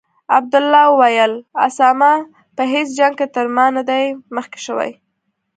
عبدالله وویل: اسامه په هیڅ جنګ کې تر ما نه دی مخکې شوی.